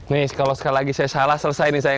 nih kalau sekali lagi saya salah selesai nih saya